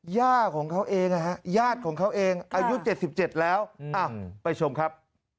ย่าของเขาเองญาติของเขาเองอายุ๗๗แล้วไปชมครับ